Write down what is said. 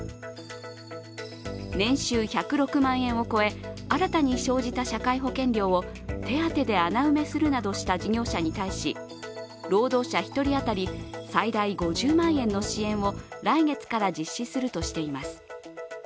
年収１０６万円を超え新たに生じた社会保険料を、手当で穴埋めするなどした事業者に対し労働者１人当たり最大５０万円の支援を来月から実施するとしています。